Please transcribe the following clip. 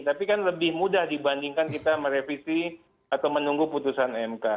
tapi kan lebih mudah dibandingkan kita merevisi atau menunggu putusan mk